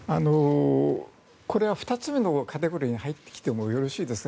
これは２つ目のカテゴリーに入ってきてもよろしいですか。